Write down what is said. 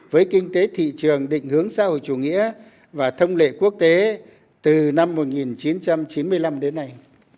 với kinh tế thị trường định hướng xã hội chủ nghĩa và thông lệ quốc tế từ năm một nghìn chín trăm chín mươi năm đến nay